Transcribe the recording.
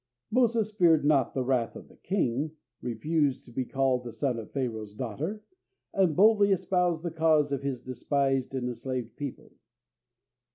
Moses feared not the wrath of the king, refused to be called the son of Pharaoh's daughter, and boldly espoused the cause of his despised and enslaved people.